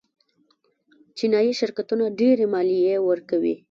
چینايي شرکتونه ډېرې مالیې ورکوي.